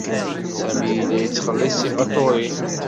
Sami yella yettxelliṣ tifatuṛin.